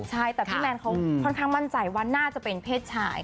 ใช่แต่พี่แมนเขาค่อนข้างมั่นใจว่าน่าจะเป็นเพศชาย